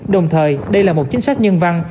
đồng thời đây là một chính sách nhân văn